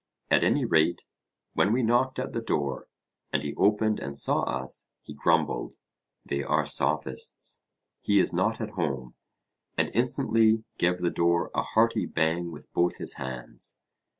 At any rate, when we knocked at the door, and he opened and saw us, he grumbled: They are Sophists he is not at home; and instantly gave the door a hearty bang with both his hands.